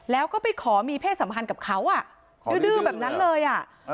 แล้วก็ไปขอมีเพศสัมพันธ์กับเขาอ่ะดื้อแบบนั้นเลยอ่ะ